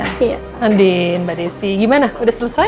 nah din mbak desi gimana udah selesai